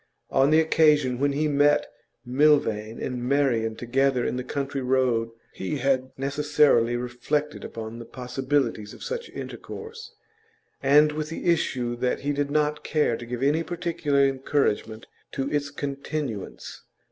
On the occasion when he met Milvain and Marian together in the country road he had necessarily reflected upon the possibilities of such intercourse, and with the issue that he did not care to give any particular encouragement to its continuance.